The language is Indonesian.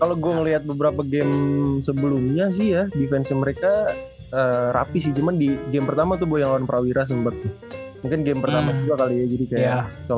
kalo gua ngeliat beberapa game sebelumnya sih ya defense mereka rapih sih cuman di game pertama tuh yang lawan rawira sempet mungkin game pertama juga kali ya jadi kayak